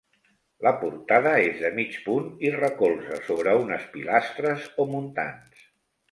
La portada és de mig punt i recolza sobre unes pilastres o muntants.